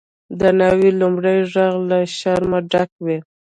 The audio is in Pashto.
د ناوی لومړی ږغ له شرمه ډک وي.